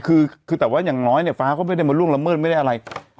คือคือแต่ว่าอย่างน้อยเนี่ยฟ้าก็ไม่ได้มาล่วงละเมิดไม่ได้อะไร